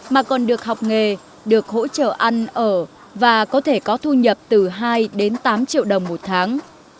mà còn được học nghề được hỗ trợ ăn ở và có thể có thu nhập từ hai đến tám triệu đồng một tháng